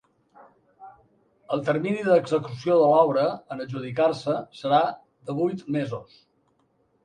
El termini d’execució de l’obra, en adjudicar-se, serà de vuit mesos.